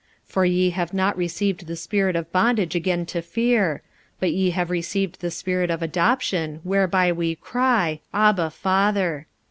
45:008:015 For ye have not received the spirit of bondage again to fear; but ye have received the Spirit of adoption, whereby we cry, Abba, Father.